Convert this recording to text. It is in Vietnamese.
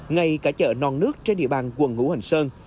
ngay cả chợ non nước trên địa bàn quần ngũ hành sơn